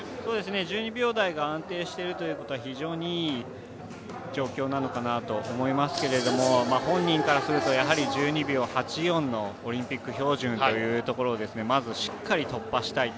１２秒台が安定しているのは非常にいい状態だと思いますけれども本人からすると１２秒８４のオリンピック標準ということをしっかり突破したいと。